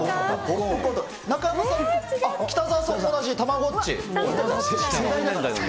北澤さんも同じ、たまごっち。